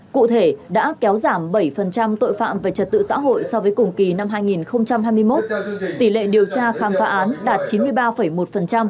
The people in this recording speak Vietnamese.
cụ thể đã kéo giảm bảy tội phạm về trật tự xã hội so với cùng kỳ năm hai nghìn hai mươi một tỷ lệ điều tra khám phá án đạt chín mươi ba một